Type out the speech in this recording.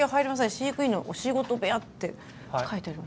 飼育員のお仕事部屋」って書いてあります。